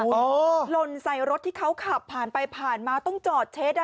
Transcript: หล่นใส่รถที่เขาขับผ่านไปผ่านมาต้องจอดเช็ด